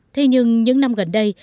thế nhưng những năm gần đây